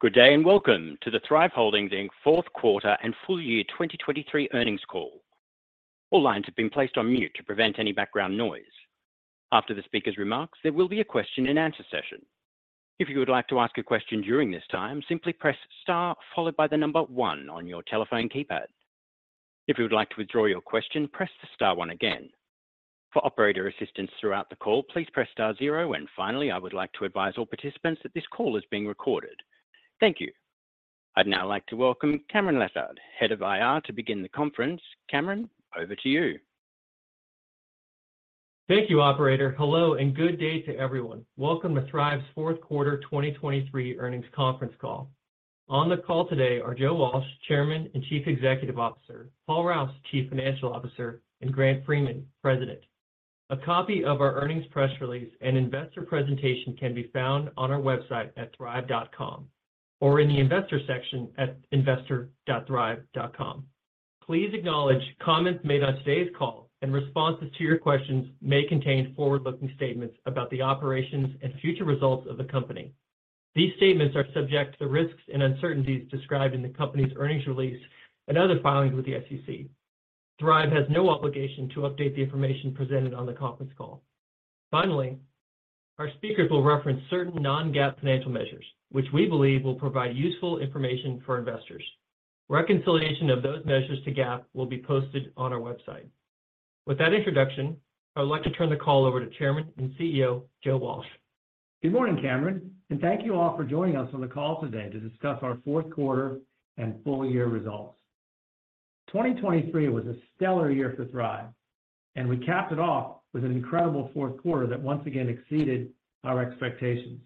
Good day, and welcome to the Thryv Holdings, Inc. Fourth Quarter and Full Year 2023 earnings call. All lines have been placed on mute to prevent any background noise. After the speaker's remarks, there will be a question and answer session. If you would like to ask a question during this time, simply press star followed by the number one on your telephone keypad. If you would like to withdraw your question, press the star one again. For operator assistance throughout the call, please press star zero, and finally, I would like to advise all participants that this call is being recorded. Thank you. I'd now like to welcome Cameron Lessard, Head of IR, to begin the conference. Cameron, over to you. Thank you Operator. Hello, and good day to everyone. Welcome to Thryv's Fourth Quarter 2023 earnings conference call. On the call today are Joe Walsh, Chairman and Chief Executive Officer, Paul Rouse, Chief Financial Officer, and Grant Freeman, President. A copy of our earnings press release and investor presentation can be found on our website at thryv.com, or in the investor section at investor.thryv.com. Please acknowledge comments made on today's call and responses to your questions may contain forward-looking statements about the operations and future results of the company. These statements are subject to the risks and uncertainties described in the company's earnings release and other filings with the SEC. Thryv has no obligation to update the information presented on the conference call. Finally, our speakers will reference certain non-GAAP financial measures, which we believe will provide useful information for investors. Reconciliation of those measures to GAAP will be posted on our website. With that introduction, I would like to turn the call over to Chairman and CEO, Joe Walsh. Good morning, Cameron, and thank you all for joining us on the call today to discuss our Fourth Quarter and Full Year results. 2023 was a stellar year for Thryv, and we capped it off with an incredible fourth quarter that once again exceeded our expectations.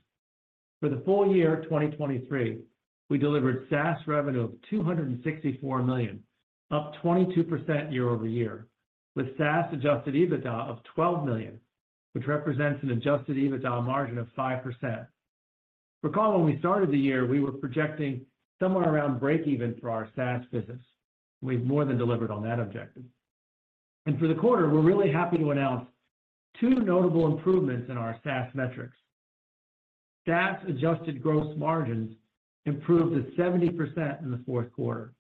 For the full year 2023, we delivered SaaS revenue of $264 million, up 22% year-over-year, with SaaS adjusted EBITDA of $12 million, which represents an adjusted EBITDA margin of 5%. Recall, when we started the year, we were projecting somewhere around breakeven for our SaaS business. We've more than delivered on that objective. And for the quarter, we're really happy to announce two notable improvements in our SaaS metrics. SaaS adjusted gross margins improved to 70% in the fourth quarter.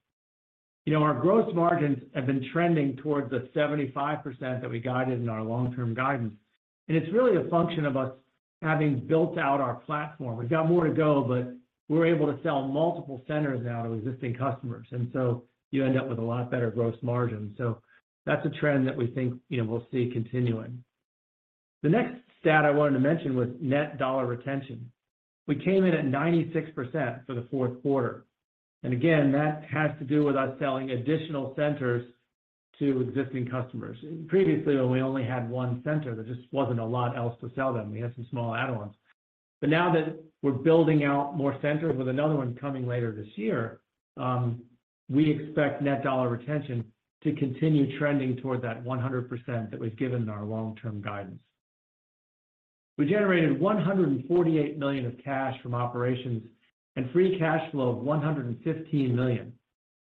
You know, our gross margins have been trending towards the 75% that we guided in our long-term guidance, and it's really a function of us having built out our platform. We've got more to go, but we're able to sell multiple centers now to existing customers, and so you end up with a lot better gross margin. So that's a trend that we think, you know, we'll see continuing. The next stat I wanted to mention was net dollar retention. We came in at 96% for the fourth quarter, and again, that has to do with us selling additional centers to existing customers. Previously, when we only had one center, there just wasn't a lot else to sell them. We had some small add-ons. But now that we're building out more centers with another one coming later this year, we expect net dollar retention to continue trending toward that 100% that we've given in our long-term guidance. We generated $148 million of cash from operations and free cash flow of $115 million,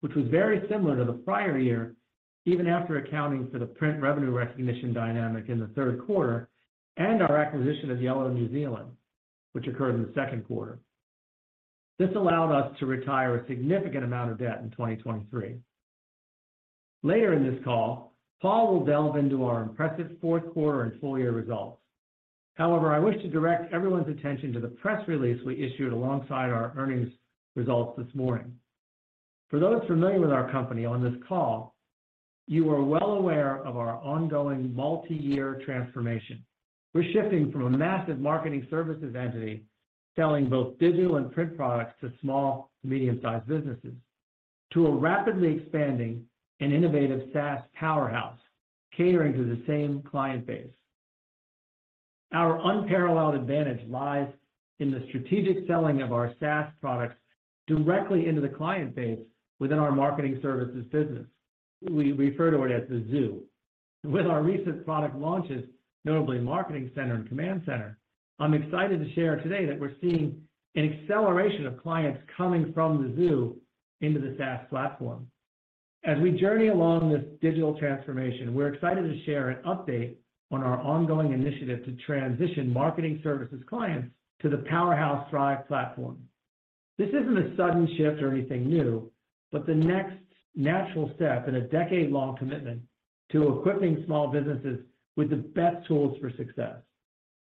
which was very similar to the prior year, even after accounting for the print revenue recognition dynamic in the third quarter and our acquisition of Yellow New Zealand, which occurred in the second quarter. This allowed us to retire a significant amount of debt in 2023. Later in this call, Paul will delve into our impressive fourth quarter and full year results. However, I wish to direct everyone's attention to the press release we issued alongside our earnings results this morning. For those familiar with our company on this call, you are well aware of our ongoing multi-year transformation. We're shifting from a massive marketing services entity, selling both digital and print products to small to medium-sized businesses, to a rapidly expanding and innovative SaaS powerhouse, catering to the same client base. Our unparalleled advantage lies in the strategic selling of our SaaS products directly into the client base within our marketing services business. We refer to it as the Zoo. With our recent product launches, notably Marketing Center and Command Center, I'm excited to share today that we're seeing an acceleration of clients coming from the Zoo into the SaaS platform. As we journey along this digital transformation, we're excited to share an update on our ongoing initiative to transition marketing services clients to the powerhouse Thryv platform. This isn't a sudden shift or anything new, but the next natural step in a decade-long commitment to equipping small businesses with the best tools for success.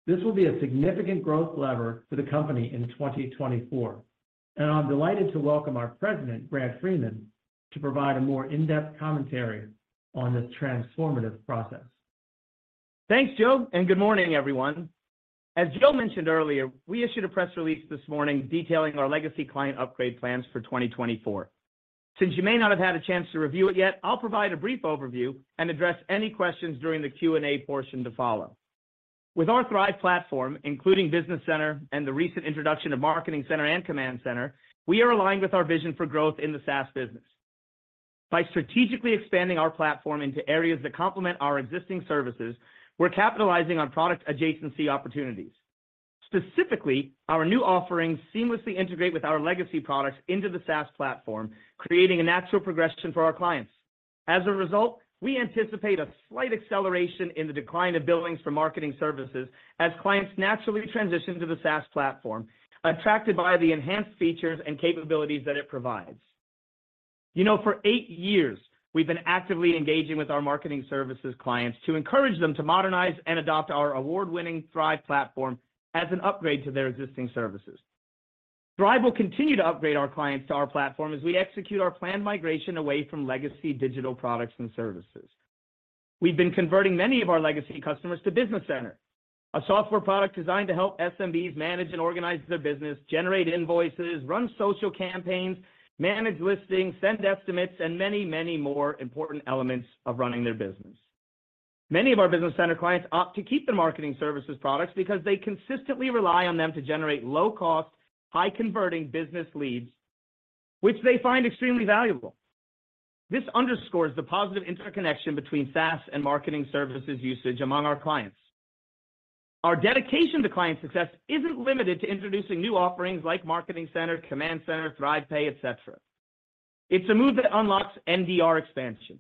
This will be a significant growth lever for the company in 2024, and I'm delighted to welcome our President, Grant Freeman, to provide a more in-depth commentary on this transformative process. Thanks, Joe, and good morning, everyone. As Joe mentioned earlier, we issued a press release this morning detailing our legacy client upgrade plans for 2024. Since you may not have had a chance to review it yet, I'll provide a brief overview and address any questions during the Q&A portion to follow. With our Thryv platform, including Business Center and the recent introduction of Marketing Center and Command Center, we are aligned with our vision for growth in the SaaS business. By strategically expanding our platform into areas that complement our existing services, we're capitalizing on product adjacency opportunities. Specifically, our new offerings seamlessly integrate with our legacy products into the SaaS platform, creating a natural progression for our clients. As a result, we anticipate a slight acceleration in the decline of billings for marketing services as clients naturally transition to the SaaS platform, attracted by the enhanced features and capabilities that it provides. You know, for eight years, we've been actively engaging with our marketing services clients to encourage them to modernize and adopt our award-winning Thryv platform as an upgrade to their existing services. Thryv will continue to upgrade our clients to our platform as we execute our planned migration away from legacy digital products and services. We've been converting many of our legacy customers to Business Center, a software product designed to help SMBs manage and organize their business, generate invoices, run social campaigns, manage listings, send estimates, and many, many more important elements of running their business. Many of our Business Center clients opt to keep the marketing services products because they consistently rely on them to generate low-cost, high-converting business leads, which they find extremely valuable. This underscores the positive interconnection between SaaS and marketing services usage among our clients. Our dedication to client success isn't limited to introducing new offerings like Marketing Center, Command Center, ThryvPay, et cetera. It's a move that unlocks NDR expansion.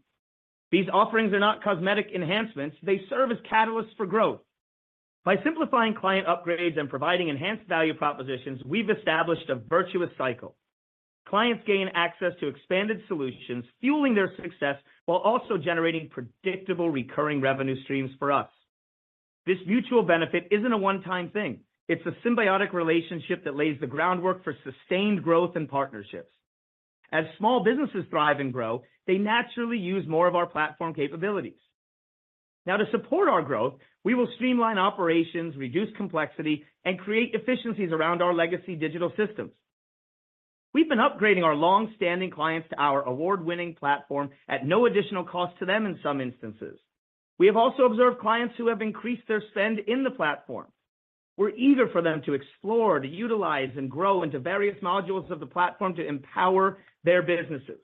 These offerings are not cosmetic enhancements. They serve as catalysts for growth. By simplifying client upgrades and providing enhanced value propositions, we've established a virtuous cycle. Clients gain access to expanded solutions, fueling their success, while also generating predictable recurring revenue streams for us. This mutual benefit isn't a one-time thing. It's a symbiotic relationship that lays the groundwork for sustained growth and partnerships. As small businesses thrive and grow, they naturally use more of our platform capabilities. Now, to support our growth, we will streamline operations, reduce complexity, and create efficiencies around our legacy digital systems. We've been upgrading our long-standing clients to our award-winning platform at no additional cost to them in some instances. We have also observed clients who have increased their spend in the platform. We're eager for them to explore, to utilize, and grow into various modules of the platform to empower their businesses.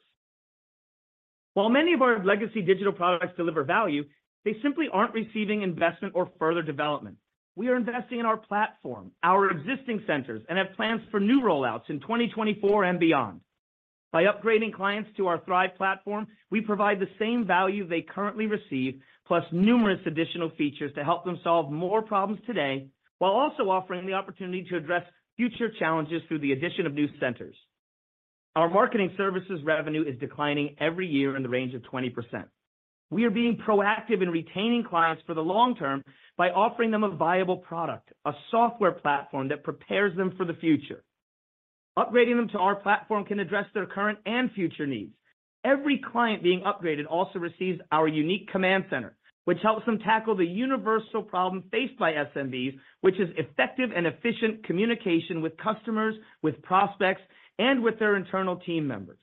While many of our legacy digital products deliver value, they simply aren't receiving investment or further development. We are investing in our platform, our existing centers, and have plans for new rollouts in 2024 and beyond. By upgrading clients to our Thryv platform, we provide the same value they currently receive, plus numerous additional features to help them solve more problems today, while also offering the opportunity to address future challenges through the addition of new centers. Our marketing services revenue is declining every year in the range of 20%. We are being proactive in retaining clients for the long term by offering them a viable product, a software platform that prepares them for the future. Upgrading them to our platform can address their current and future needs. Every client being upgraded also receives our unique Command Center, which helps them tackle the universal problem faced by SMBs, which is effective and efficient communication with customers, with prospects, and with their internal team members.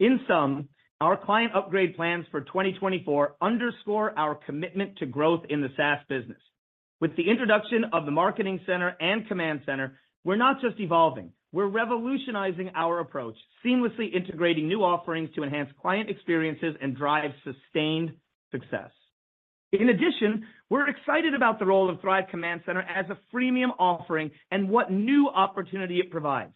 In sum, our client upgrade plans for 2024 underscore our commitment to growth in the SaaS business. With the introduction of the Marketing Center and Command Center, we're not just evolving, we're revolutionizing our approach, seamlessly integrating new offerings to enhance client experiences and drive sustained success. In addition, we're excited about the role of Thryv Command Center as a freemium offering and what new opportunity it provides.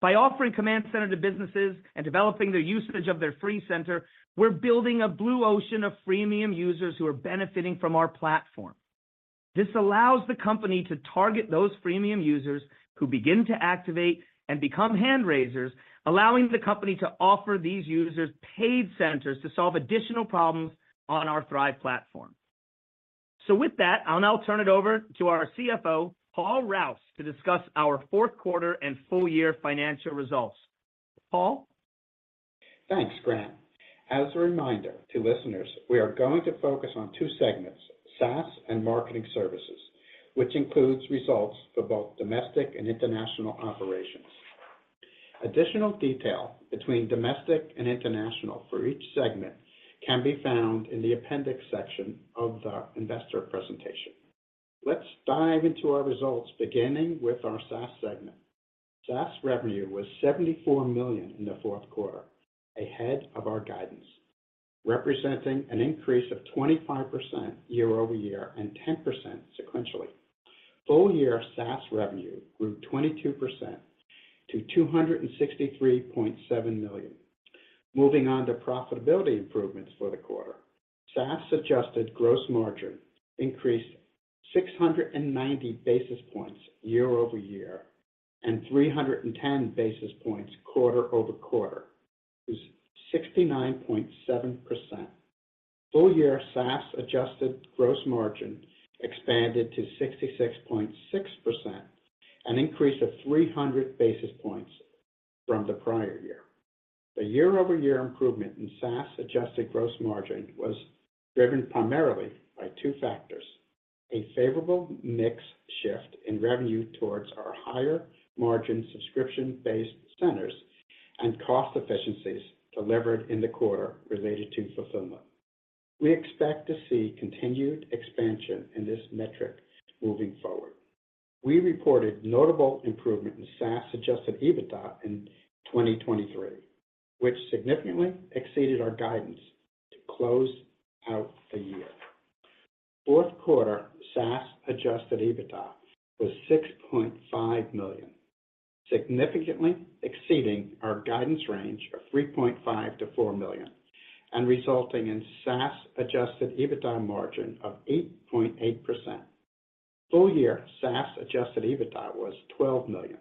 By offering Command Center to businesses and developing their usage of their free center, we're building a blue ocean of freemium users who are benefiting from our platform. This allows the company to target those freemium users who begin to activate and become hand raisers, allowing the company to offer these users paid centers to solve additional problems on our Thryv platform. So with that, I'll now turn it over to our CFO, Paul Rouse, to discuss our Fourth Quarter and Full Year financial results. Paul? Thanks, Grant. As a reminder to listeners, we are going to focus on two segments, SaaS and Marketing Services, which includes results for both domestic and international operations. Additional detail between domestic and international for each segment can be found in the appendix section of the investor presentation. Let's dive into our results, beginning with our SaaS segment. SaaS revenue was $74 million in the fourth quarter, ahead of our guidance, representing an increase of 25% year-over-year and 10% sequentially. Full year SaaS revenue grew 22% to $263.7 million. Moving on to profitability improvements for the quarter. SaaS adjusted gross margin increased 690 basis points year-over-year, and 310 basis points quarter-over-quarter, is 69.7%. Full-year SaaS adjusted gross margin expanded to 66.6%, an increase of 300 basis points from the prior year. The year-over-year improvement in SaaS adjusted gross margin was driven primarily by two factors: a favorable mix shift in revenue towards our higher margin subscription-based centers, and cost efficiencies delivered in the quarter related to fulfillment. We expect to see continued expansion in this metric moving forward. We reported notable improvement in SaaS adjusted EBITDA in 2023, which significantly exceeded our guidance to close out the year. Fourth quarter SaaS adjusted EBITDA was $6.5 million, significantly exceeding our guidance range of $3.5-$4 million, and resulting in SaaS adjusted EBITDA margin of 8.8%. Full-year SaaS adjusted EBITDA was $12 million,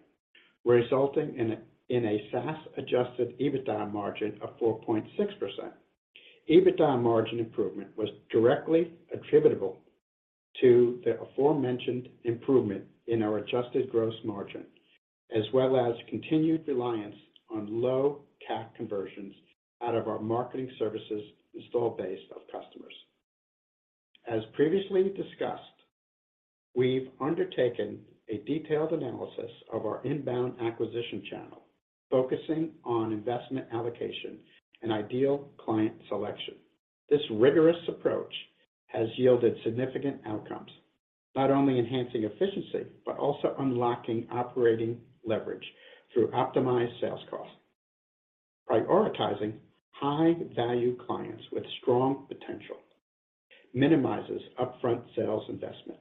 resulting in a SaaS adjusted EBITDA margin of 4.6%. EBITDA margin improvement was directly attributable to the aforementioned improvement in our adjusted gross margin, as well as continued reliance on low CAC conversions out of our marketing services installed base of customers. As previously discussed, we've undertaken a detailed analysis of our inbound acquisition channel, focusing on investment allocation and ideal client selection. This rigorous approach has yielded significant outcomes, not only enhancing efficiency, but also unlocking operating leverage through optimized sales costs. Prioritizing high-value clients with strong potential minimizes upfront sales investment.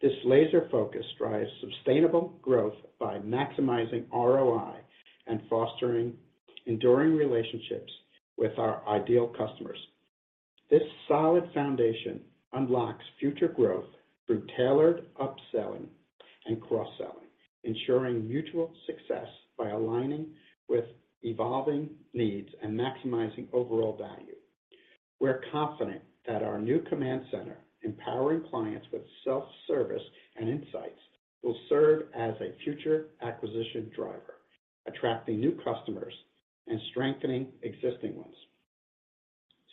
This laser focus drives sustainable growth by maximizing ROI and fostering enduring relationships with our ideal customers. This solid foundation unlocks future growth through tailored upselling and cross-selling, ensuring mutual success by aligning with evolving needs and maximizing overall value. We're confident that our new Command Center, empowering clients with self-service and insights, will serve as a future acquisition driver, attracting new customers and strengthening existing ones.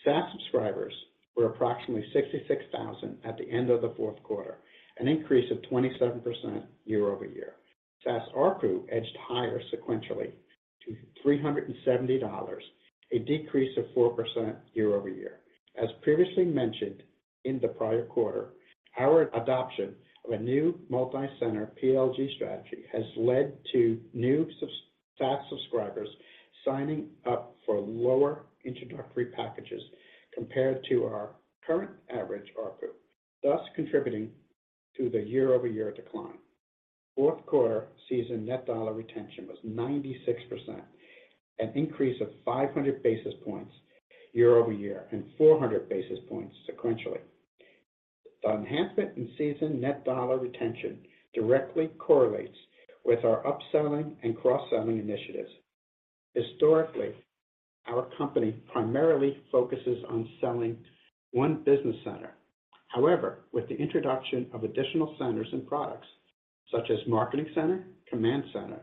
SaaS subscribers were approximately 66,000 at the end of the fourth quarter, an increase of 27% year-over-year. SaaS ARPU edged higher sequentially to $370, a decrease of 4% year-over-year. As previously mentioned in the prior quarter, our adoption of a new multi-center PLG strategy has led to new SaaS subscribers signing up for lower introductory packages compared to our current average ARPU, thus contributing to the year-over-year decline. Fourth quarter SaaS net dollar retention was 96%, an increase of 500 basis points year-over-year, and 400 basis points sequentially. The enhancement in SaaS net dollar retention directly correlates with our upselling and cross-selling initiatives. Historically, our company primarily focuses on selling one Business Center. However, with the introduction of additional centers and products such as Marketing Center, Command Center,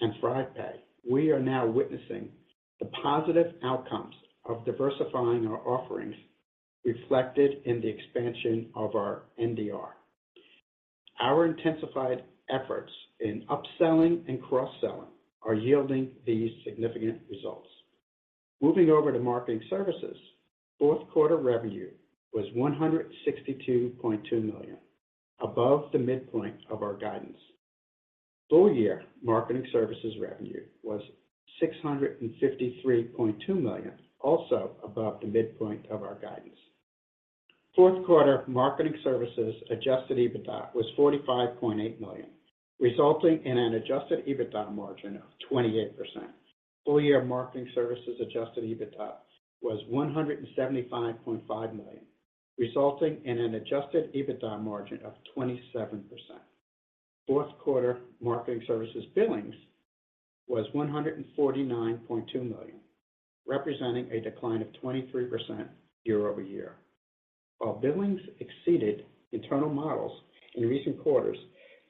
and ThryvPay, we are now witnessing the positive outcomes of diversifying our offerings, reflected in the expansion of our NDR. Our intensified efforts in upselling and cross-selling are yielding these significant results. Moving over to Marketing Services, fourth quarter revenue was $162.2 million, above the midpoint of our guidance. Full year Marketing Services revenue was $653.2 million, also above the midpoint of our guidance. Fourth quarter Marketing Services Adjusted EBITDA was $45.8 million, resulting in an Adjusted EBITDA margin of 28%. Full year Marketing Services Adjusted EBITDA was $175.5 million, resulting in an Adjusted EBITDA margin of 27%. Fourth quarter marketing services billings was $149.2 million, representing a decline of 23% year-over-year. While billings exceeded internal models in recent quarters,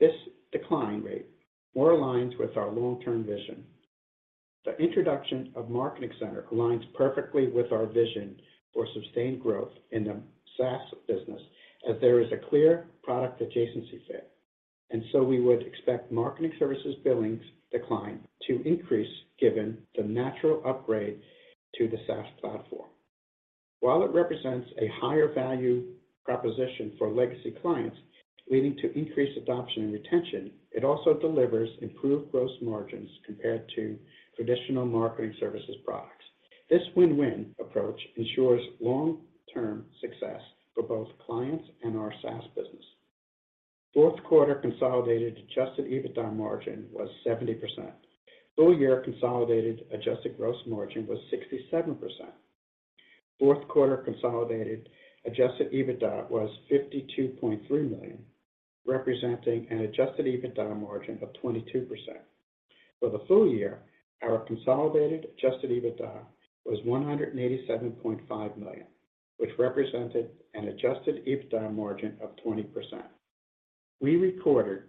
this decline rate more aligns with our long-term vision. The introduction of Marketing Center aligns perfectly with our vision for sustained growth in the SaaS business, as there is a clear product adjacency fit, and so we would expect marketing services billings decline to increase given the natural upgrade to the SaaS platform. While it represents a higher value proposition for legacy clients, leading to increased adoption and retention, it also delivers improved gross margins compared to traditional marketing services products. This win-win approach ensures long-term success for both clients and our SaaS business. Fourth quarter consolidated adjusted EBITDA margin was 70%. Full year consolidated adjusted gross margin was 67%. Fourth quarter consolidated adjusted EBITDA was $52.3 million, representing an adjusted EBITDA margin of 22%. For the full year, our consolidated adjusted EBITDA was $187.5 million, which represented an adjusted EBITDA margin of 20%. We recorded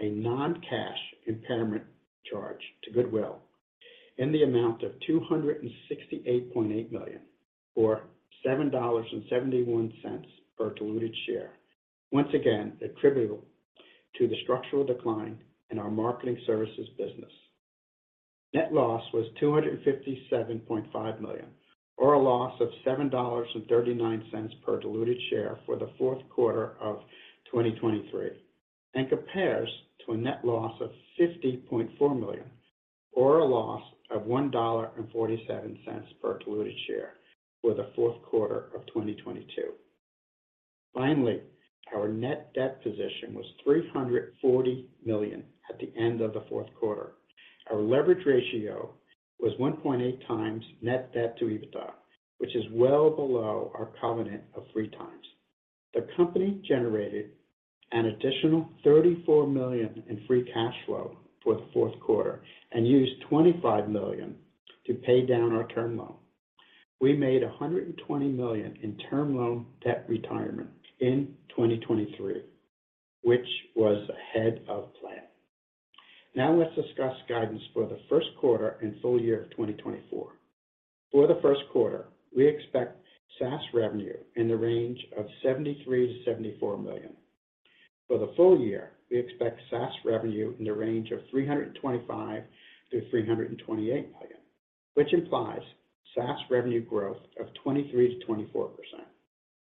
a non-cash impairment charge to goodwill in the amount of $268.8 million, or $7.71 per diluted share. Once again, attributable to the structural decline in our marketing services business. Net loss was $257.5 million, or a loss of $7.39 per diluted share for the fourth quarter of 2023, and compares to a net loss of $50.4 million or a loss of $1.47 per diluted share for the fourth quarter of 2022. Finally, our net debt position was $340 million at the end of the fourth quarter. Our leverage ratio was 1.8x net debt to EBITDA, which is well below our covenant of 3x. The company generated an additional $34 million in free cash flow for the fourth quarter, and used $25 million to pay down our term loan. We made $120 million in term loan debt retirement in 2023, which was ahead of plan. Now let's discuss guidance for the first quarter and full year of 2024. For the first quarter, we expect SaaS revenue in the range of $73 million-$74 million. For the full year, we expect SaaS revenue in the range of $325 million-$328 million, which implies SaaS revenue growth of 23% to 24%.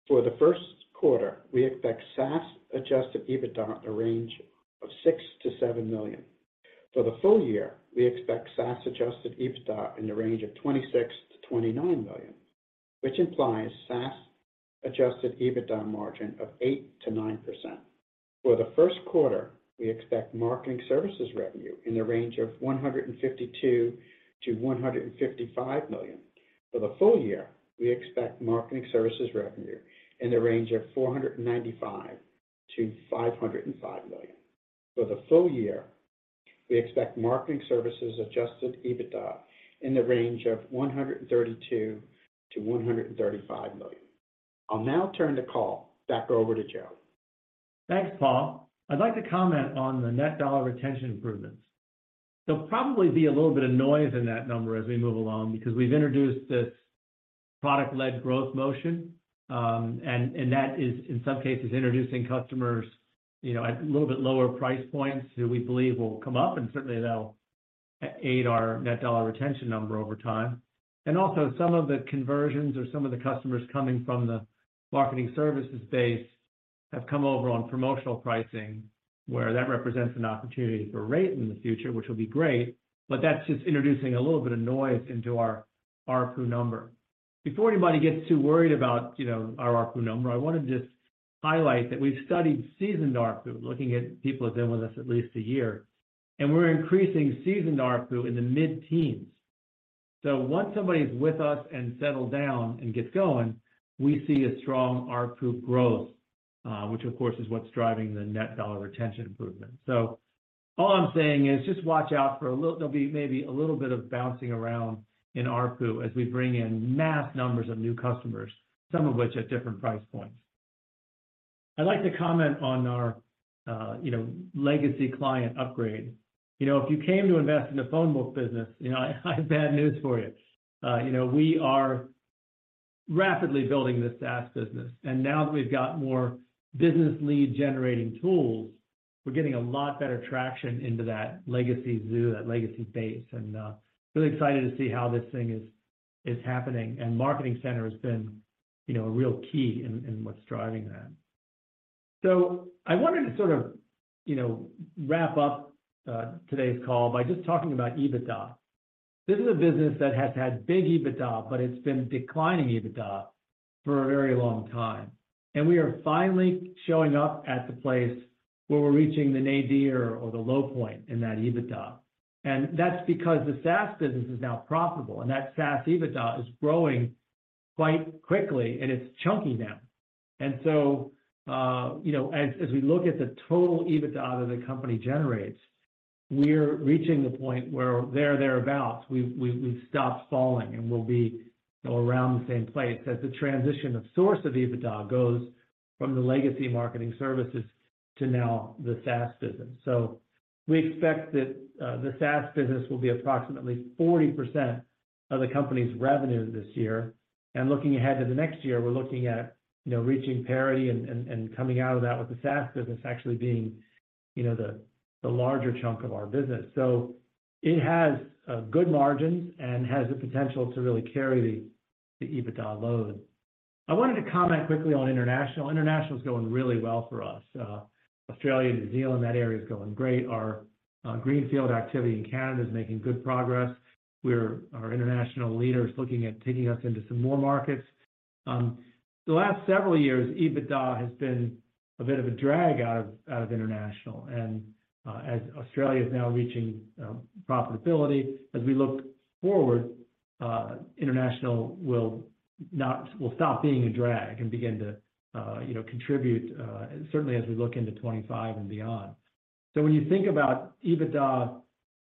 For the first quarter, we expect SaaS adjusted EBITDA in the range of $6 million-$7 million. For the full year, we expect SaaS adjusted EBITDA in the range of $26 million-$29 million, which implies SaaS adjusted EBITDA margin of 8%-9%. For the first quarter, we expect Marketing Services revenue in the range of $152 million-$155 million. For the full year, we expect Marketing Services revenue in the range of $495 million-$505 million. For the full year, we expect Marketing Services adjusted EBITDA in the range of $132 million-$135 million. I'll now turn the call back over to Joe. Thanks, Paul. I'd like to comment on the net dollar retention improvements. There'll probably be a little bit of noise in that number as we move along, because we've introduced this product-led growth motion, and that is, in some cases, introducing customers, you know, at a little bit lower price points, who we believe will come up, and certainly they'll aid our net dollar retention number over time. And also some of the conversions or some of the customers coming from the marketing services base have come over on promotional pricing, where that represents an opportunity for rate in the future, which will be great, but that's just introducing a little bit of noise into our ARPU number. Before anybody gets too worried about, you know, our ARPU number, I want to just highlight that we've studied seasoned ARPU, looking at people who've been with us at least a year, and we're increasing seasoned ARPU in the mid-teens. So once somebody's with us and settled down and gets going, we see a strong ARPU growth, which of course, is what's driving the net dollar retention improvement. So all I'm saying is just watch out for a little—there'll be maybe a little bit of bouncing around in ARPU as we bring in mass numbers of new customers, some of which are at different price points. I'd like to comment on our, you know, legacy client upgrade. You know, if you came to invest in a phone book business, you know, I have bad news for you. You know, we are rapidly building this SaaS business, and now that we've got more business lead generating tools, we're getting a lot better traction into that legacy zoo, that legacy base, and really excited to see how this thing is happening. And Marketing Center has been, you know, a real key in what's driving that. So I wanted to sort of, you know, wrap up today's call by just talking about EBITDA. This is a business that has had big EBITDA, but it's been declining EBITDA for a very long time, and we are finally showing up at the place where we're reaching the nadir or the low point in that EBITDA. And that's because the SaaS business is now profitable, and that SaaS EBITDA is growing quite quickly, and it's chunky now. So, you know, as we look at the total EBITDA that the company generates, we're reaching the point where there or thereabout, we've stopped falling and we'll be around the same place as the transition of source of EBITDA goes from the legacy marketing services to now the SaaS business. So we expect that, the SaaS business will be approximately 40% of the company's revenue this year. And looking ahead to the next year, we're looking at, you know, reaching parity and coming out of that with the SaaS business actually being, you know, the larger chunk of our business. So it has good margins and has the potential to really carry the EBITDA load. I wanted to comment quickly on international. International is going really well for us. Australia, New Zealand, that area is going great. Our greenfield activity in Canada is making good progress. Our international leader is looking at taking us into some more markets. The last several years, EBITDA has been a bit of a drag out of international. And as Australia is now reaching profitability, as we look forward, international will stop being a drag and begin to, you know, contribute certainly as we look into 25 and beyond. So when you think about EBITDA,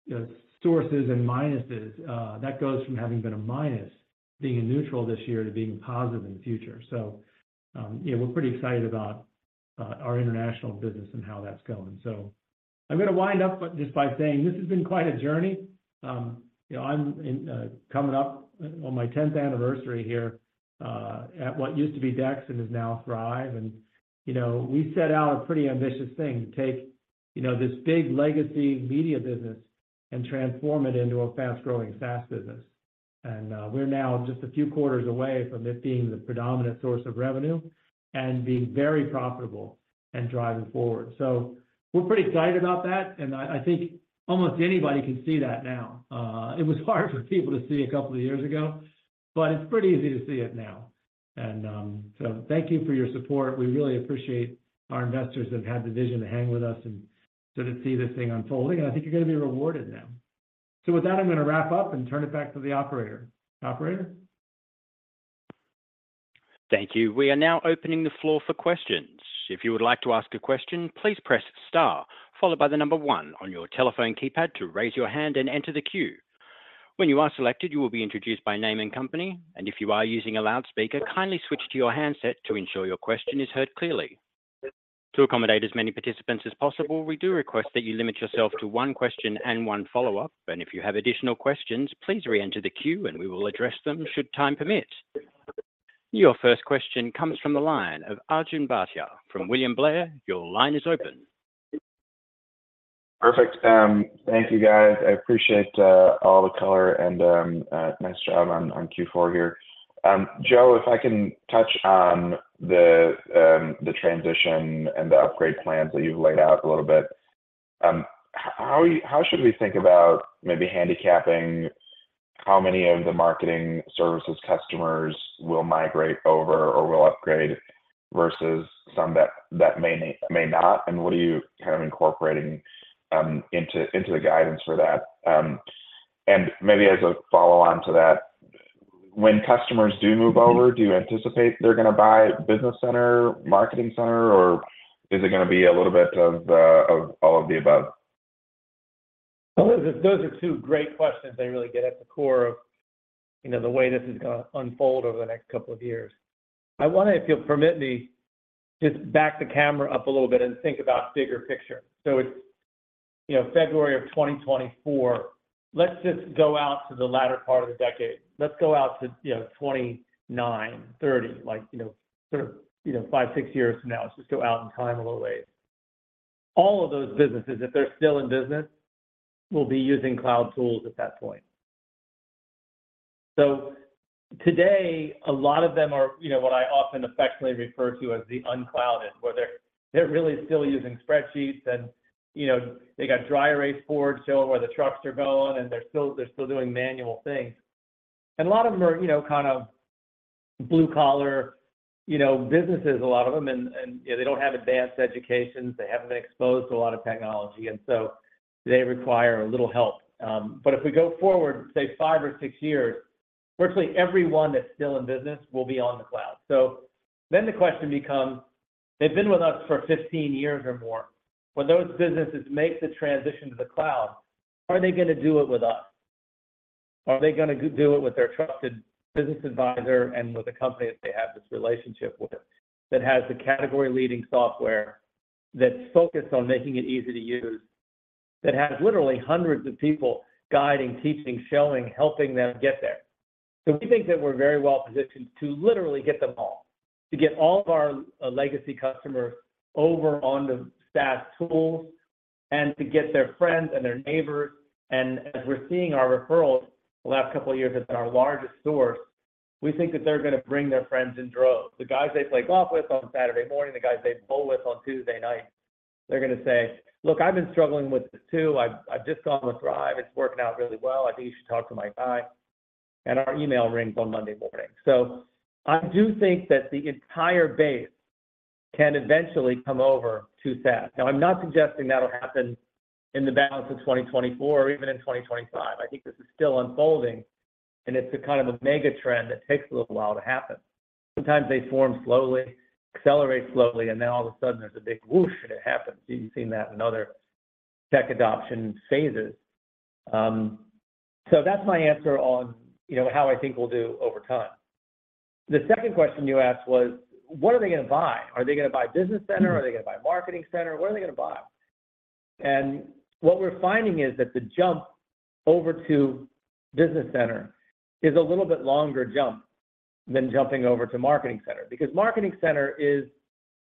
you know, pluses and minuses, that goes from having been a minus, being a neutral this year to being a positive in the future. So yeah, we're pretty excited about our international business and how that's going. So I'm gonna wind up but just by saying this has been quite a journey. You know, I'm coming up on my 10th anniversary here at what used to be Dex and is now Thryv. You know, we set out a pretty ambitious thing to take, you know, this big legacy media business and transform it into a fast-growing SaaS business... and we're now just a few quarters away from it being the predominant source of revenue, and being very profitable and driving forward. So we're pretty excited about that, and I, I think almost anybody can see that now. It was hard for people to see a couple of years ago, but it's pretty easy to see it now. So thank you for your support. We really appreciate our investors that have had the vision to hang with us and sort of see this thing unfolding, and I think you're gonna be rewarded now. With that, I'm gonna wrap up and turn it back to the operator. Operator? Thank you. We are now opening the floor for questions. If you would like to ask a question, please press star, followed by one on your telephone keypad to raise your hand and enter the queue. When you are selected, you will be introduced by name and company, and if you are using a loudspeaker, kindly switch to your handset to ensure your question is heard clearly. To accommodate as many participants as possible, we do request that you limit yourself to one question and one follow-up, and if you have additional questions, please reenter the queue and we will address them should time permit. Your first question comes from the line of Arjun Bhatia from William Blair. Your line is open. Perfect. Thank you, guys. I appreciate all the color, and nice job on Q4 here. Joe, if I can touch on the transition and the upgrade plans that you've laid out a little bit. How should we think about maybe handicapping how many of the Marketing Services customers will migrate over or will upgrade, versus some that may not? And what are you kind of incorporating into the guidance for that? And maybe as a follow-on to that, when customers do move over, do you anticipate they're gonna buy Business Center, Marketing Center, or is it gonna be a little bit of all of the above? Those are, those are two great questions that really get at the core of, you know, the way this is gonna unfold over the next couple of years. I wonder, if you'll permit me, just back the camera up a little bit and think about bigger picture. So it's, you know, February of 2024. Let's just go out to the latter part of the decade. Let's go out to, you know, 2029, 2030, like, you know, sort of, you know, five, six years from now. Let's just go out in time a little way. All of those businesses, if they're still in business, will be using cloud tools at that point. So today, a lot of them are, you know, what I often affectionately refer to as the unclouded, where they're really still using spreadsheets and, you know, they got dry erase boards showing where the trucks are going, and they're still doing manual things. And a lot of them are, you know, kind of blue collar, you know, businesses, a lot of them, and, you know, they don't have advanced educations. They haven't been exposed to a lot of technology, and so they require a little help. But if we go forward, say, five or six years, virtually everyone that's still in business will be on the cloud. So then the question becomes: they've been with us for 15 years or more. When those businesses make the transition to the cloud, are they gonna do it with us? Are they gonna do it with their trusted business advisor and with a company that they have this relationship with, that has the category-leading software, that's focused on making it easy to use, that has literally hundreds of people guiding, teaching, showing, helping them get there? So we think that we're very well positioned to literally get them all, to get all of our legacy customers over on the SaaS tools and to get their friends and their neighbors. And as we're seeing our referrals, the last couple of years has been our largest source, we think that they're gonna bring their friends in droves. The guys they play golf with on Saturday morning, the guys they bowl with on Tuesday night, they're gonna say, "Look, I've been struggling with this, too. I've just gone with Thryv. It's working out really well. I think you should talk to my guy," and our email rings on Monday morning. So I do think that the entire base can eventually come over to SaaS. Now, I'm not suggesting that'll happen in the balance of 2024 or even in 2025. I think this is still unfolding, and it's a kind of a mega trend that takes a little while to happen. Sometimes they form slowly, accelerate slowly, and then all of a sudden there's a big whoosh, and it happens. You've seen that in other tech adoption phases. So that's my answer on, you know, how I think we'll do over time. The second question you asked was: What are they gonna buy? Are they gonna buy Business Center? Are they gonna buy Marketing Center? What are they gonna buy? What we're finding is that the jump over to Business Center is a little bit longer jump than jumping over to Marketing Center. Because Marketing Center is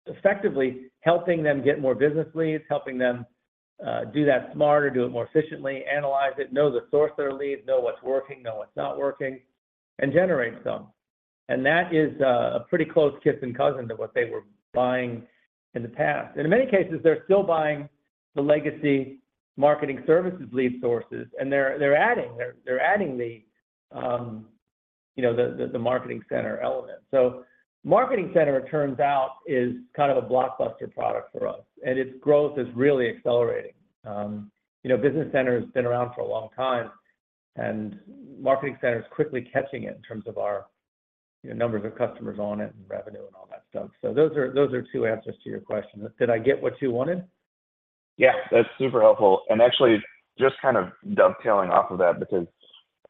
effectively helping them get more business leads, helping them do that smarter, do it more efficiently, analyze it, know the source of their lead, know what's working, know what's not working, and generate some. That is a pretty close cousin to what they were buying in the past. In many cases, they're still buying the legacy marketing services lead sources, and they're adding the, you know, the Marketing Center element. Marketing Center, it turns out, is kind of a blockbuster product for us, and its growth is really accelerating. You know, Business Center has been around for a long time, and Marketing Center is quickly catching it in terms of our, you know, numbers of customers on it and revenue and all that stuff. So those are, those are two answers to your question. Did I get what you wanted? Yeah, that's super helpful, and actually, just kind of dovetailing off of that, because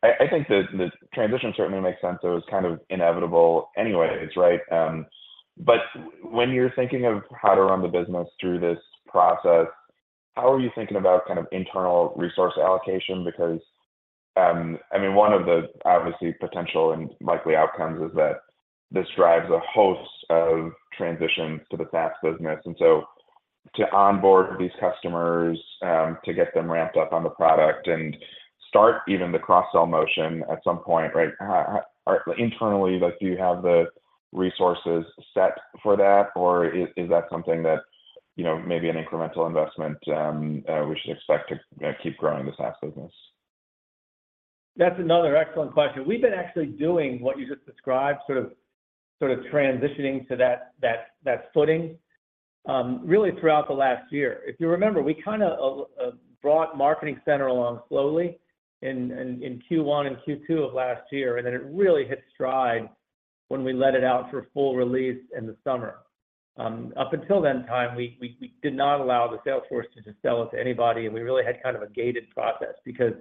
I, I think the, the transition certainly makes sense, so it's kind of inevitable anyways, right? But when you're thinking of how to run the business through this process, how are you thinking about kind of internal resource allocation? Because, I mean, one of the obviously potential and likely outcomes is that this drives a host of transitions to the SaaS business, and so to onboard these customers, to get them ramped up on the product and start even the cross-sell motion at some point, right? Ha-ha-ha, internally, like, do you have the resources set for that, or is that something that, you know, maybe an incremental investment, we should expect to keep growing the SaaS business? That's another excellent question. We've been actually doing what you just described, sort of transitioning to that footing, really throughout the last year. If you remember, we kinda brought Marketing Center along slowly in Q1 and Q2 of last year, and then it really hit stride when we let it out for full release in the summer. Up until then time, we did not allow the sales force to just sell it to anybody, and we really had kind of a gated process. Because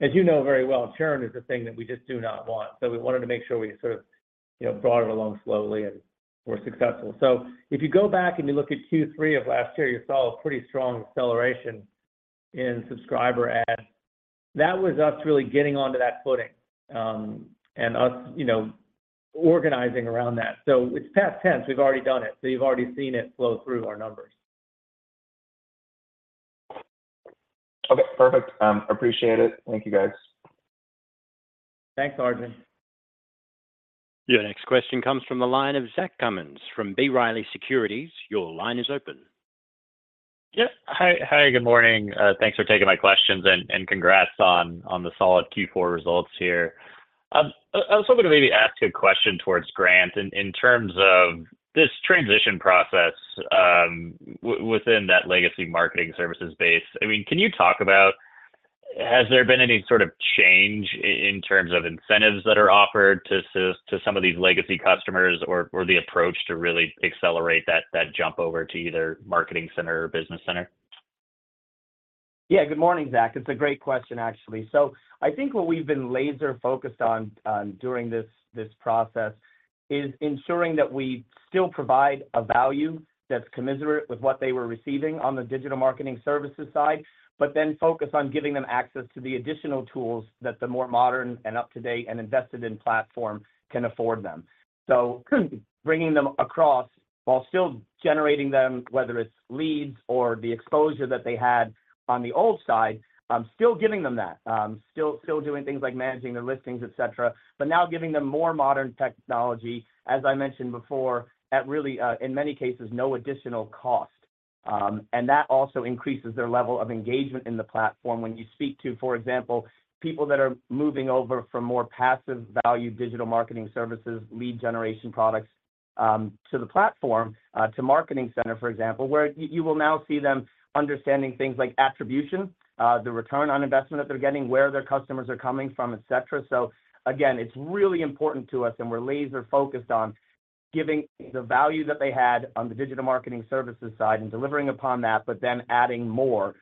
as you know very well, churn is a thing that we just do not want. So we wanted to make sure we sort of, you know, brought it along slowly, and we're successful. So if you go back and you look at Q3 of last year, you saw a pretty strong acceleration in subscriber add. That was us really getting onto that footing, and us, you know, organizing around that. So it's past tense, we've already done it, so you've already seen it flow through our numbers. Okay, perfect. Appreciate it. Thank you, guys. Thanks, Arjun. Your next question comes from the line of Zach Cummins from B. Riley Securities. Your line is open. Yeah. Hi. Good morning. Thanks for taking my questions, and congrats on the solid Q4 results here. I was hoping to maybe ask a question towards Grant in terms of this transition process within that legacy marketing services base. I mean, can you talk about, has there been any sort of change in terms of incentives that are offered to some of these legacy customers or the approach to really accelerate that jump over to either Marketing Center or Business Center? Yeah, good morning, Zach. It's a great question, actually. So I think what we've been laser focused on during this process is ensuring that we still provide a value that's commensurate with what they were receiving on the digital marketing services side, but then focus on giving them access to the additional tools that the more modern and up-to-date, and invested-in platform can afford them. So bringing them across while still generating them, whether it's leads or the exposure that they had on the old side, still giving them that. Still doing things like managing their listings, et cetera, but now giving them more modern technology, as I mentioned before, at really, in many cases, no additional cost. And that also increases their level of engagement in the platform. When you speak to, for example, people that are moving over from more passive value digital marketing services, lead generation products, to the platform, to Marketing Center, for example, where you will now see them understanding things like attribution, the return on investment that they're getting, where their customers are coming from, et cetera. So again, it's really important to us, and we're laser focused on giving the value that they had on the digital marketing services side and delivering upon that, but then adding more,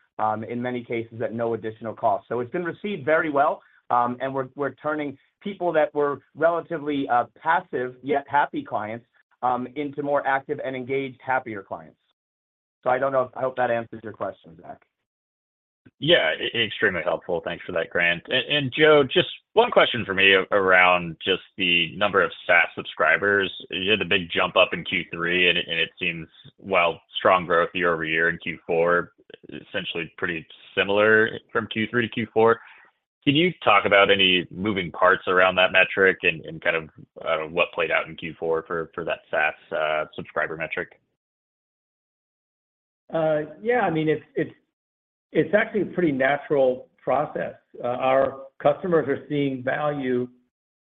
in many cases, at no additional cost. So it's been received very well, and we're turning people that were relatively, passive, yet happy clients, into more active and engaged, happier clients. So I don't know if... I hope that answers your question, Zach. Yeah, extremely helpful. Thanks for that, Grant. And Joe, just one question for me around just the number of SaaS subscribers. You had a big jump up in Q3, and it seems, while strong growth year over year in Q4, essentially pretty similar from Q3 to Q4. Can you talk about any moving parts around that metric and kind of what played out in Q4 for that SaaS subscriber metric? Yeah, I mean, it's actually a pretty natural process. Our customers are seeing value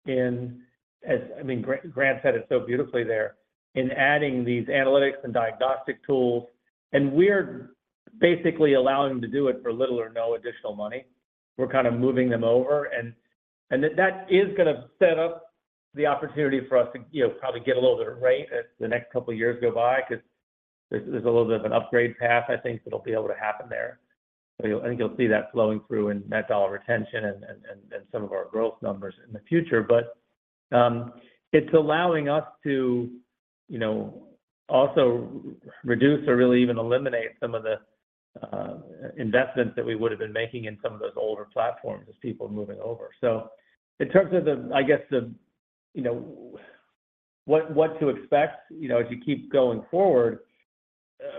in, as I mean, Grant said it so beautifully there, in adding these analytics and diagnostic tools, and we're basically allowing them to do it for little or no additional money. We're kind of moving them over, and that is gonna set up the opportunity for us to, you know, probably get a little bit of rate as the next couple of years go by, 'cause there's a little bit of an upgrade path, I think, that'll be able to happen there. So I think you'll see that flowing through in net dollar retention and some of our growth numbers in the future. But, it's allowing us to, you know, also reduce or really even eliminate some of the investments that we would have been making in some of those older platforms as people are moving over. So in terms of the, I guess, you know, what to expect, you know, as you keep going forward,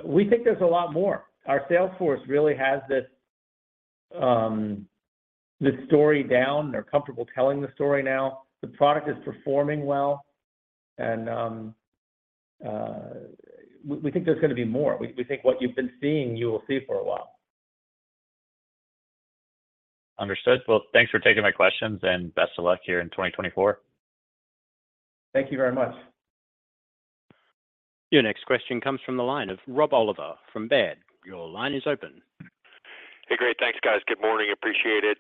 we think there's a lot more. Our sales force really has this story down. They're comfortable telling the story now. The product is performing well, and we think there's gonna be more. We think what you've been seeing, you will see for a while. Understood. Well, thanks for taking my questions, and best of luck here in 2024. Thank you very much. Your next question comes from the line of Rob Oliver from Baird. Your line is open. Hey, great. Thanks, guys. Good morning. Appreciate it.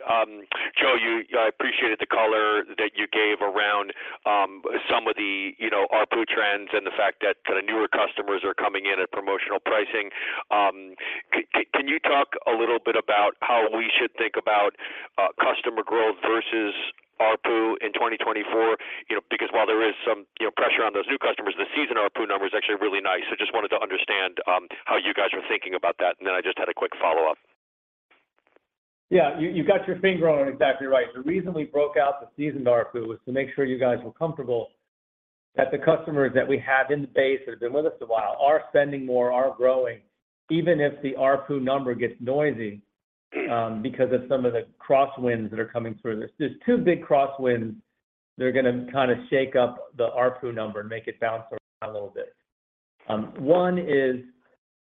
Joe, I appreciated the color that you gave around some of the, you know, ARPU trends and the fact that the newer customers are coming in at promotional pricing. Can you talk a little bit about how we should think about customer growth versus ARPU in 2024? You know, because while there is some, you know, pressure on those new customers, the seasoned ARPU number is actually really nice. So just wanted to understand how you guys are thinking about that, and then I just had a quick follow-up.... Yeah, you've got your finger on it exactly right. The reason we broke out the seasoned ARPU was to make sure you guys were comfortable that the customers that we have in the base, that have been with us a while, are spending more, are growing, even if the ARPU number gets noisy because of some of the crosswinds that are coming through. There's two big crosswinds that are gonna kind of shake up the ARPU number and make it bounce around a little bit. One is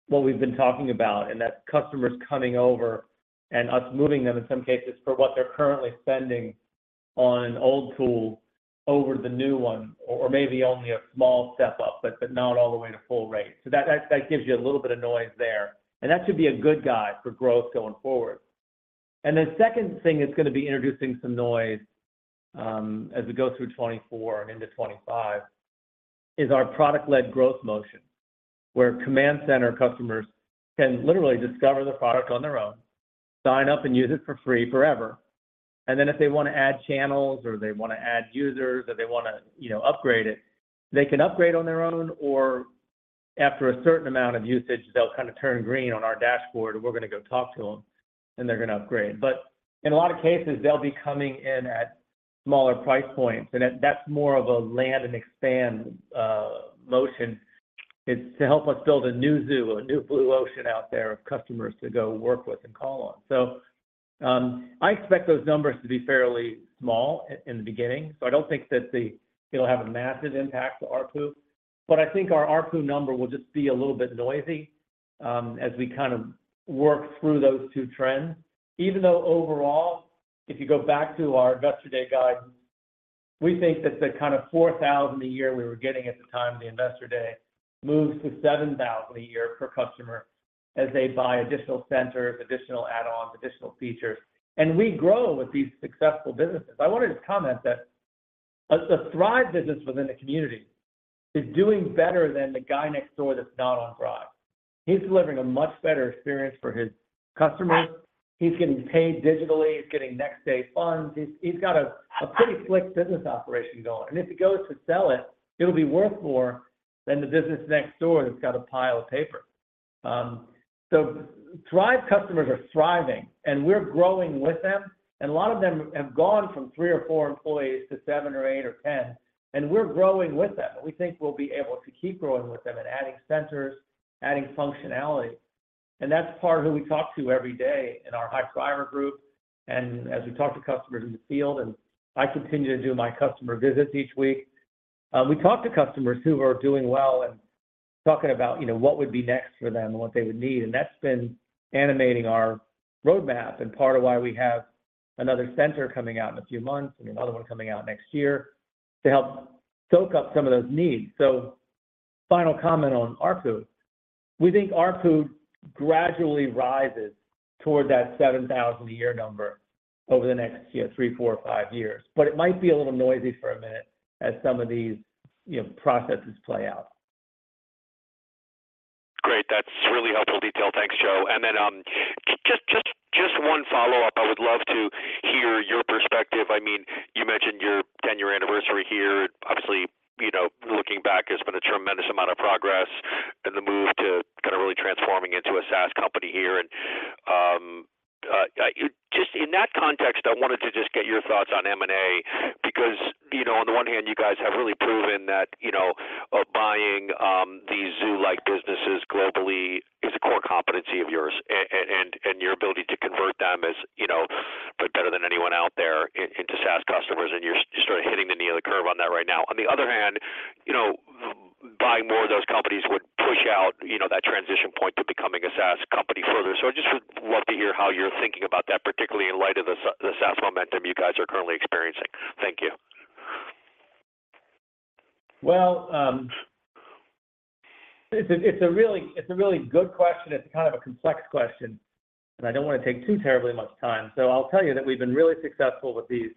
what we've been talking about, and that's customers coming over and us moving them in some cases for what they're currently spending on an old tool over the new one, or maybe only a small step up, but not all the way to full rate. So that gives you a little bit of noise there, and that should be a good guide for growth going forward. And the second thing that's gonna be introducing some noise, as we go through 2024 and into 2025, is our Product-Led Growth motion. Where Command Center customers can literally discover the product on their own, sign up and use it for free forever, and then if they wanna add channels or they wanna add users, or they wanna, you know, upgrade it, they can upgrade on their own, or after a certain amount of usage, they'll kind of turn green on our dashboard and we're gonna go talk to them, and they're gonna upgrade. But in a lot of cases, they'll be coming in at smaller price points, and that's more of a land and expand motion. It's to help us build a new zoo, a new blue ocean out there of customers to go work with and call on. So, I expect those numbers to be fairly small in the beginning, so I don't think that the... It'll have a massive impact to ARPU, but I think our ARPU number will just be a little bit noisy, as we kind of work through those two trends. Even though overall, if you go back to our Investor Day guide, we think that the kind of $4,000 a year we were getting at the time of the Investor Day, moves to $7,000 a year per customer as they buy additional centers, additional add-ons, additional features, and we grow with these successful businesses. I wanted to comment that a Thryv business within the community is doing better than the guy next door that's not on Thryv. He's delivering a much better experience for his customers. He's getting paid digitally, he's getting next day funds. He's got a pretty slick business operation going, and if he goes to sell it, it'll be worth more than the business next door that's got a pile of paper. So Thryv customers are thriving, and we're growing with them, and a lot of them have gone from three or four employees to seven or eight or 10, and we're growing with them, and we think we'll be able to keep growing with them and adding centers, adding functionality. And that's part of who we talk to every day in our high Thryver group. As we talk to customers in the field, and I continue to do my customer visits each week, we talk to customers who are doing well and talking about, you know, what would be next for them and what they would need. That's been animating our roadmap and part of why we have another center coming out in a few months and another one coming out next year, to help soak up some of those needs. So final comment on ARPU. We think ARPU gradually rises toward that $7,000 a year number over the next, you know, three, four, five years, but it might be a little noisy for a minute as some of these, you know, processes play out. Great. That's really helpful detail. Thanks, Joe. And then, just one follow-up. I would love to hear your perspective. I mean, you mentioned your 10-year anniversary here. Obviously, you know, looking back, there's been a tremendous amount of progress and the move to kind of really transforming into a SaaS company here. And, just in that context, I wanted to just get your thoughts on M&A, because, you know, on the one hand, you guys have really proven that, you know, buying these zoo-like businesses globally is a core competency of yours, and your ability to convert them as you know, better than anyone out there into SaaS customers, and you're sort of hitting the nail on the curb on that right now. On the other hand, you know, buying more of those companies would push out, you know, that transition point to becoming a SaaS company further. So I just would love to hear how you're thinking about that, particularly in light of the S- the SaaS momentum you guys are currently experiencing. Thank you. Well, it's a really good question. It's kind of a complex question, and I don't wanna take too terribly much time. So I'll tell you that we've been really successful with these,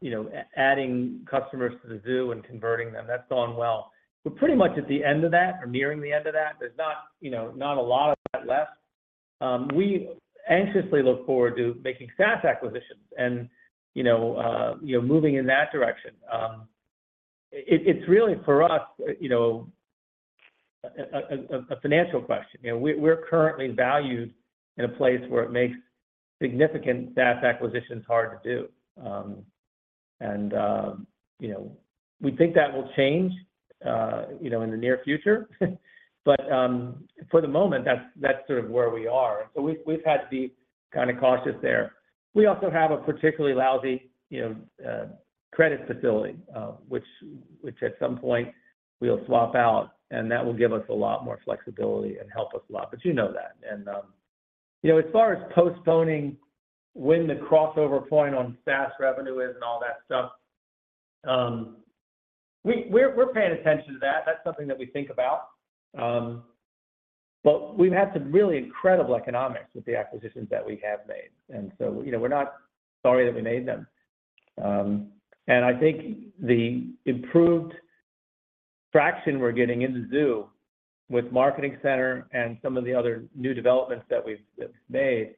you know, adding customers to the zoo and converting them. That's going well. We're pretty much at the end of that or nearing the end of that. There's not, you know, a lot of that left. We anxiously look forward to making SaaS acquisitions and, you know, moving in that direction. It's really for us, you know, a financial question. You know, we're currently valued in a place where it makes significant SaaS acquisitions hard to do. And we think that will change, you know, in the near future. But, for the moment, that's sort of where we are. So we've had to be kind of cautious there. We also have a particularly lousy, you know, credit facility, which at some point we'll swap out, and that will give us a lot more flexibility and help us a lot, but you know that. And, you know, as far as postponing when the crossover point on SaaS revenue is and all that stuff, we're paying attention to that. That's something that we think about. But we've had some really incredible economics with the acquisitions that we have made, and so, you know, we're not sorry that we made them. And I think the improved traction we're getting in the U.S. with Marketing Center and some of the other new developments that we've made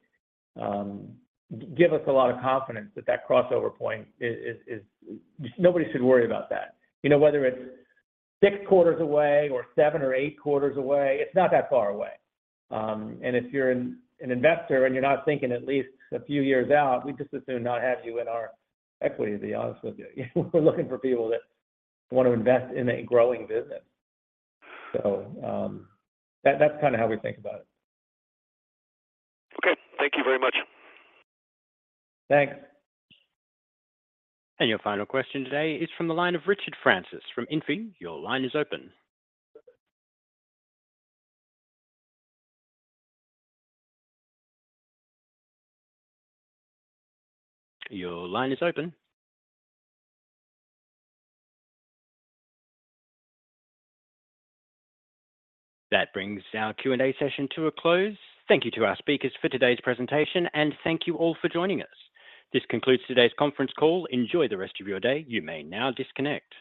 give us a lot of confidence that that crossover point is... Nobody should worry about that. You know, whether it's siix quarters away or seven or eight quarters away, it's not that far away. And if you're an investor and you're not thinking at least a few years out, we'd just as soon not have you in our equity, to be honest with you. We're looking for people that want to invest in a growing business. So, that kinda how we think about it. Okay. Thank you very much. Thanks. And your final question today is from the line of Richard Francis from Indy. Your line is open. Your line is open. That brings our Q&A session to a close. Thank you to our speakers for today's presentation, and thank you all for joining us. This concludes today's conference call. Enjoy the rest of your day. You may now disconnect.